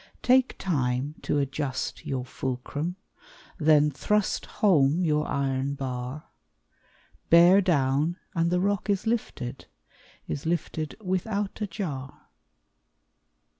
Take time to adjust your fulcrum, Then thrust home your iron bar; Bear down and the rock is lifted, Is lifted without a jar.